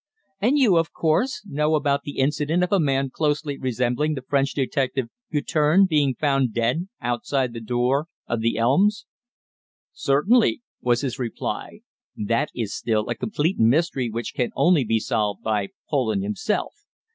"And you, of course, know about the incident of a man closely resembling the French detective Guertin being found dead outside the door of the Elms?" "Certainly," was his reply; "that is still a complete mystery which can only be solved by Poland himself.